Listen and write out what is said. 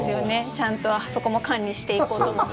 ちゃんとそこも管理していこうと思って。